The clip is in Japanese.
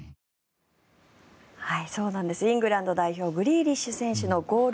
イングランド代表グリーリッシュ選手のゴール